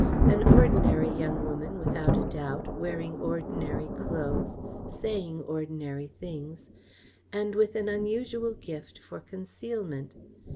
An ordinary young woman without a doubt, wearing ordinary clothes, saying ordinary things, and with an unusual gift for concealment.